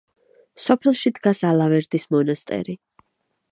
სოფელში დგას ალავერდის მონასტერი.